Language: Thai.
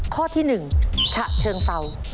ข้อที่๑ฉะเชิงเศร้า